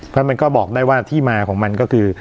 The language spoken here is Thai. เพราะมันก็บอกได้ว่าที่มาของมันก็คือ